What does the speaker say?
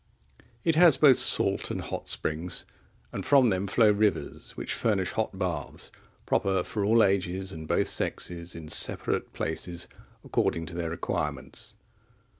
It has both salt and hot springs, and from them flow rivers which furnish hot baths, proper for all ages and both sexes, in separate places, according to their requirements.